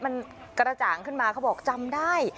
มันกระจ่างขึ้นมาเขาบอกจำได้